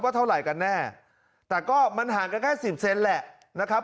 ว่าเท่าไหร่กันแน่แต่ก็มันห่างกันแค่๑๐เซนติเมตรแหละนะครับ